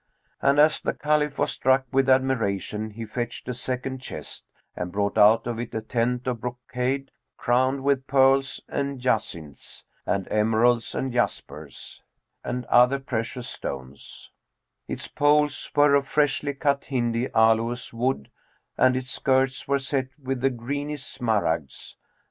And as the Caliph was struck with admiration he fetched a second chest and brought out of it a tent of brocade, crowned with pearls and jacinths and emeralds and jaspers and other precious stones; its poles were of freshly cut Hindi aloes wood, and its skirts were set with the greenest smaragds.